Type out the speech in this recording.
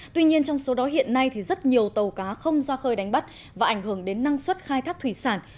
tuy nhiên trong số đó hiện nay thì rất nhiều tàu cá không ra khơi đánh bắt và ảnh hưởng đến năng suất khai thác thủy sản